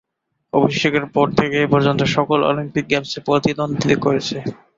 অভিষেকের পর থেকে এ পর্যন্ত সকল অলিম্পিক গেমসে প্রতিদ্বন্দ্বিতা করেছে।